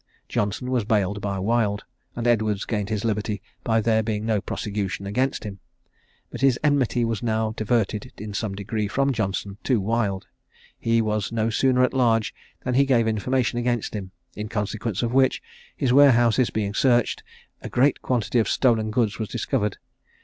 Johnson was bailed by Wild, and Edwards gained his liberty by there being no prosecution against him; but his enmity being now diverted in some degree from Johnson to Wild, he was no sooner at large than he gave information against him, in consequence of which, his warehouses being searched, a great quantity of stolen goods was discovered.